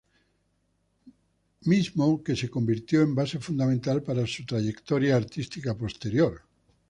Mismo que se convirtió en base fundamental para su trayectoria artística posterior.